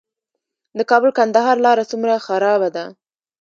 د کابل - کندهار لاره څومره خرابه ده؟